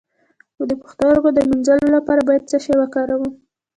د پښتورګو د مینځلو لپاره باید څه شی وکاروم؟